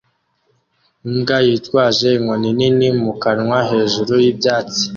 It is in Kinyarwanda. Imbwa yitwaje inkoni nini mu kanwa hejuru y'ibyatsi